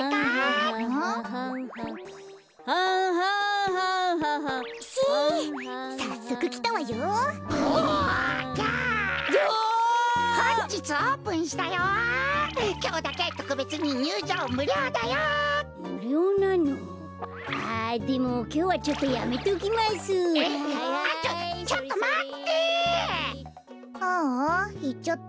ああいっちゃった。